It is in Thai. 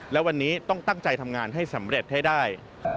และวันนี้ต้องตั้งใจทำงานให้สำเร็จให้ได้